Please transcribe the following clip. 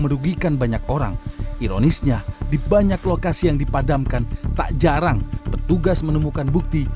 merugikan banyak orang ironisnya di banyak lokasi yang dipadamkan tak jarang petugas menemukan bukti